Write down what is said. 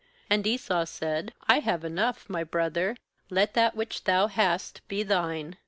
9And Esau said: 'I have enough; my brother, let that which thou hast be thine.'